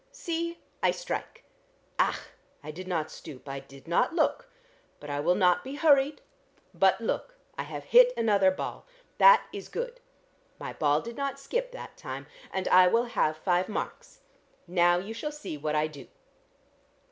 See! I strike! Ach! I did not stoop. I did not look. But I will not be hurried.... But look, I have hit another ball. That is good! My ball did not skip that time, and I will have five marks. Now you shall see what I do!"